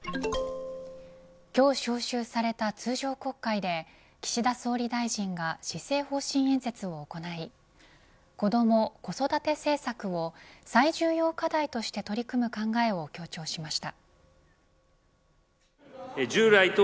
今日召集された通常国会で岸田総理大臣が施政方針演説を行いこども・子育て政策を最重要課題として取り組む考えを強調しました。